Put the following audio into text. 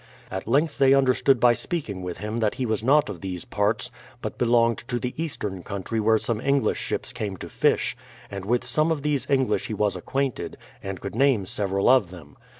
At length they understood by speaking with him that he was not of these parts, but belonged to the eastern country where some English ships came to fish; and with some of these English he was acquainted, and could name several of them.